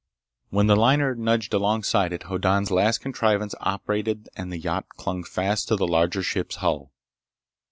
When the liner nudged alongside it, Hoddan's last contrivance operated and the yacht clung fast to the larger ship's hull.